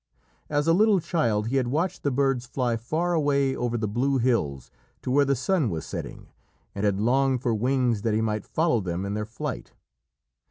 As a little child he had watched the birds fly far away over the blue hills to where the sun was setting, and had longed for wings that he might follow them in their flight.